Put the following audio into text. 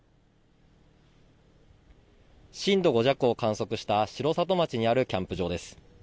震度５弱を観測した城里町にあるキャンプ場です。